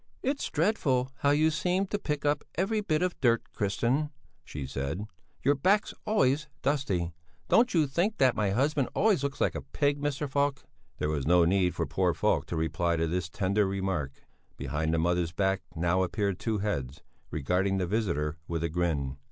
"It's dreadful how you seem to pick up every bit of dirt, Christian," she said; "your back's always dusty. Don't you think that my husband always looks like a pig, Mr. Falk?" There was no need for poor Falk to reply to this tender remark; behind the mother's back now appeared two heads, regarding the visitor with a grin.